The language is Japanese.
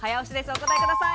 お答えください。